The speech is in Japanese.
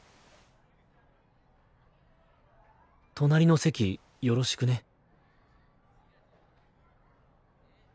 隣の席よろしくね。